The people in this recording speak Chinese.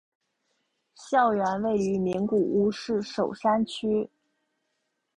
校园位于名古屋市守山区。